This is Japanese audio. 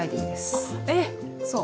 あっえ⁉そう。